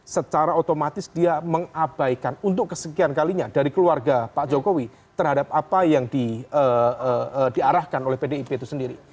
secara otomatis dia mengabaikan untuk kesekian kalinya dari keluarga pak jokowi terhadap apa yang diarahkan oleh pdip itu sendiri